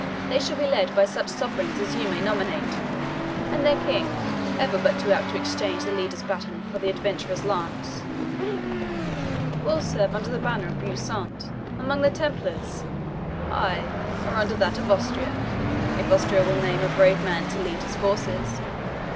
They shall be led by such sovereigns as you may nominate; and their King, ever but too apt to exchange the leader's baton for the adventurer's lance, will serve under the banner of Beau Seant among the Templars ay, or under that of Austria, if Austria will name a brave man to lead his forces.